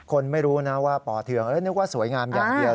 คนไม่รู้นะว่าป่อเทืองนึกว่าสวยงามอย่างเดียว